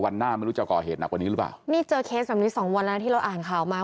หน้าไม่รู้จะก่อเหตุหนักกว่านี้หรือเปล่านี่เจอเคสแบบนี้สองวันแล้วที่เราอ่านข่าวมา